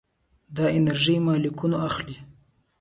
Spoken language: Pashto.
دا انرژي مالیکولونه اخلي.